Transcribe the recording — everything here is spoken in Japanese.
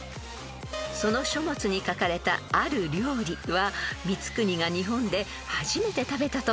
［その書物に書かれたある料理は光圀が日本で初めて食べたと伝えられています］